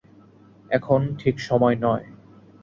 এখন ঠিক সময় নয়।